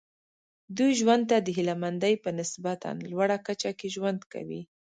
دوی ژوند ته د هیله مندۍ په نسبتا لوړه کچه کې ژوند کوي.